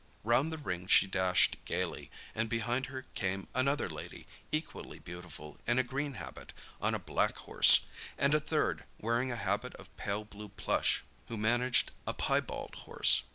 Round the ring she dashed gaily, and behind her came another lady equally beautiful in a green habit, on a black horse; and a third, wearing a habit of pale blue plush who managed a piebald horse.